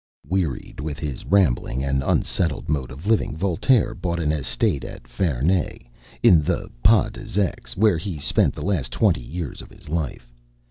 Wearied with his rambling and unsettled mode of living, Voltaire bought an estate at Ferney, in the Pays des Gex, where he spent the last twenty years of his life.